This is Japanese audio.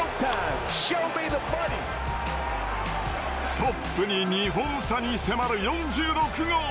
トップに２本差に迫る４６号。